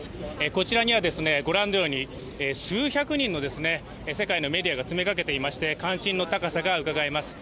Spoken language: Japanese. こちらにはご覧のように数百人の世界のメディアが詰めかけていまして関心の高さがうかがえます。